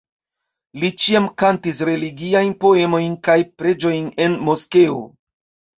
Li ĉiam kantis religiajn poemojn kaj preĝojn en moskeo.